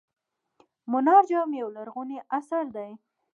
منار جام یو لرغونی اثر دی.